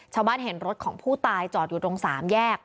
ชาวบ้านเห็นรถของผู้ตายจอดอยู่ตรงสามแยก